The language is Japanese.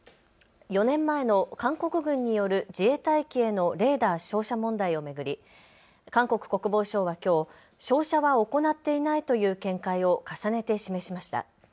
４年前の韓国軍による自衛隊機へのレーダー照射問題を巡り、韓国国防省はきょう照射は行っていないという見解を重ねて示しました。